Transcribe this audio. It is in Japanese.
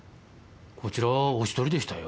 こちらはお一人でしたよ。